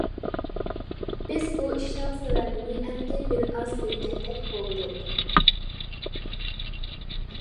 بىز بۇ ئىشنىڭ سەۋەبىنى ئەمدى بىرئاز بىلگەندەك بولدۇق.